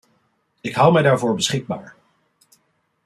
Ik hou mij daarvoor beschikbaar.